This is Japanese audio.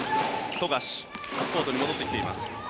富樫コートに戻ってきています。